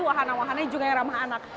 wahana wahana juga yang ramah anak